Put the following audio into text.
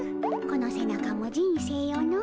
この背中も人生よの。